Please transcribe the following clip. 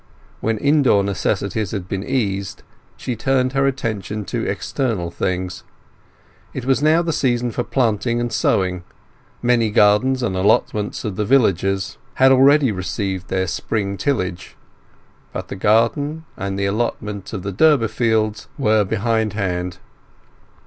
When indoor necessities had been eased, she turned her attention to external things. It was now the season for planting and sowing; many gardens and allotments of the villagers had already received their spring tillage; but the garden and the allotment of the Durbeyfields were behindhand.